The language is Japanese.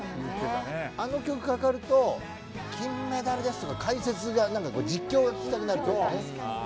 あの曲かかると「金メダルです！」とか解説が実況が聞きたくなるというかね。